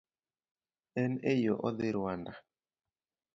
En e yoo odhi Rwanda.